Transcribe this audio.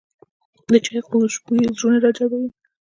د چای خوشبويي زړونه راجلبوي